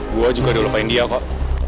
gue juga udah lupa india kok